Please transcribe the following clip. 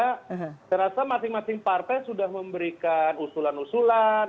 karena saya rasa masing masing partai sudah memberikan usulan usulan